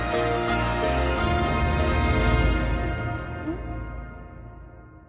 えっ？